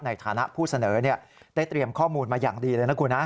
ในฐานะผู้เสนอได้เตรียมข้อมูลมาอย่างดีเลยนะคุณนะ